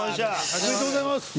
「ありがとうございます！」